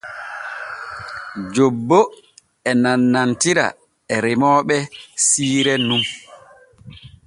Jobbo e nanantira e remooɓe siire nun.